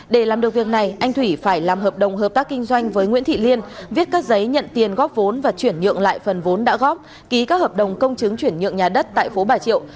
để làm được việc này anh thủy phải làm hợp đồng hợp tác kinh doanh với nguyễn thị liên viết các giấy nhận tiền góp vốn và chuyển nhượng lại phần vốn đã góp ký các hợp đồng công chứng chuyển nhượng nhà đất tại phố bà triệu